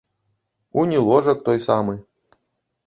Унь і ложак той самы.